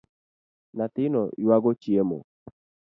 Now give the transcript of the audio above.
Nyathino yuago chiemo